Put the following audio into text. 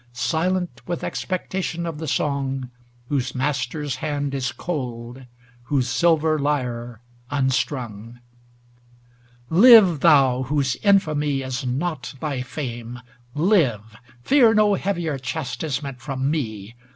Silent with expectation of the song, W^hose master's hand is cold, whose silver lyre unstrung. XXXVII Live thou, whose infamy is not thy fame ! Live ! fear no heavier chastisement from me.